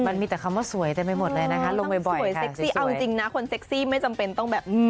มันมีเท่าที่สวยแต่ไม่หมดเลยนะคะลงไปบ่อยค่ะเซ็กซี่เอาจริงนะคนเซ็กซี่ไม่จำเป็นต้องแบบ